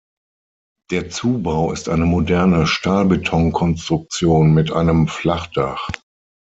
Der Zubau ist eine moderne Stahlbetonkonstruktion mit einem Flachdach.